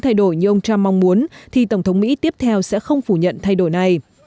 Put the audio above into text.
thay đổi như ông trump mong muốn thì tổng thống mỹ tiếp theo sẽ không phủ nhận thay đổi này